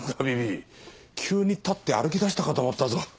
急に立って歩き出したかと思ったぞ。